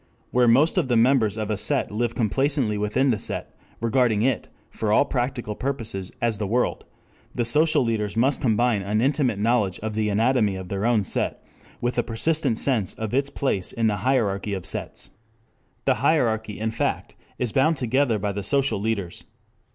Where most of the members of a set live complacently within the set, regarding it for all practical purposes as the world, the social leaders must combine an intimate knowledge of the anatomy of their own set with a persistent sense of its place in the hierarchy of sets. The hierarchy, in fact, is bound together by the social leaders.